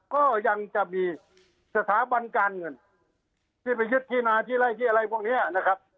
ก็ยังจะมีสถาบันการเงินที่ไปยึดที่นาที่ไล่ที่อะไรพวกนี้นะครับ